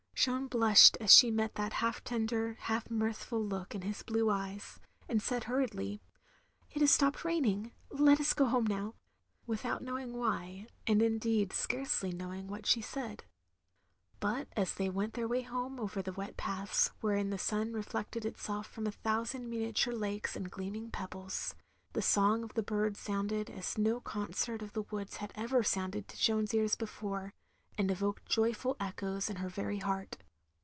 Jeanne blushed as she met that half tender, half mirthful look in his blue eyes, and said hurriedly, "It has stopped raining, let us go home now," without knowing why; and indeed scarcely knowing what she said. But as they went their way home over the wet paths, wherein the sun reflected itself from a thousand miniature lakes and gleaming pebbles — ^the song of the birds sounded as no concert of the woods had ever sounded in Jeanne's ears before, and evoked joyful echoes in her very heart.